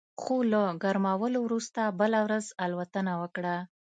خو له ګرمولو وروسته بله ورځ الوتنه وکړه